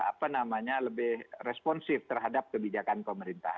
apa namanya lebih responsif terhadap kebijakan pemerintah